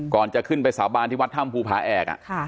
ก่อนจะขึ้นไปสาบานที่วัดถ้ำภูผาแอก